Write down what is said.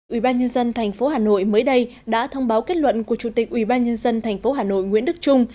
ubnd tp hà nội mới đây đã thông báo kết luận của chủ tịch ubnd tp hà nội nguyễn đức trung